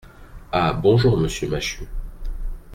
Ah ! bonjour, monsieur Machut.